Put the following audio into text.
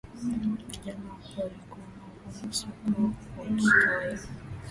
vijana walikuwa na ugonjwa usiyokuwa wa kawaida